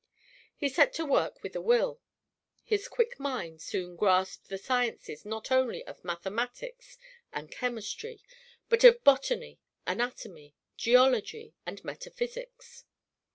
He set to work with a will. His quick mind soon grasped the sciences not only of mathematics and chemistry, but of botany, anatomy, geology, and metaphysics.